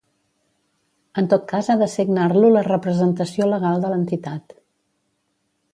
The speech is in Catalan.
En tot cas ha de signar-lo la representació legal de l'entitat.